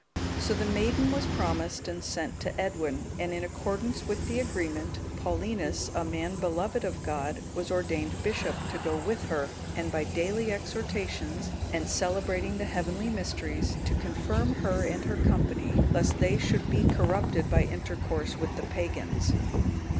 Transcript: So the maiden was promised, and sent to Edwin, and in accordance with the agreement, Paulinus, a man beloved of God, was ordained bishop, to go with her, and by daily exhortations, and celebrating the heavenly Mysteries, to confirm her and her company, lest they should be corrupted by intercourse with the pagans.